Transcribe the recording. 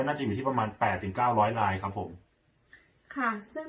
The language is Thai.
น่าจะอยู่ที่ประมาณแปดถึงเก้าร้อยลายครับผมค่ะซึ่ง